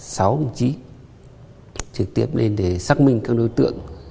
sáu đồng chí trực tiếp lên để xác minh các đối tượng